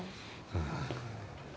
うん。